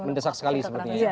mendesak sekali sepertinya ya